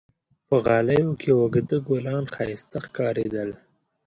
په غالیو کې اوږده ګلان ښایسته ښکارېدل.